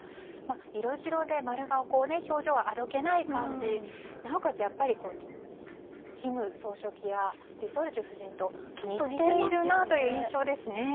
色白で丸顔、表情はあどけない感じ、なおかつ金総書記やリ・ソルジュ夫人とちょっと似ているなという印象です。